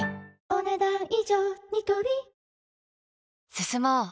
進もう。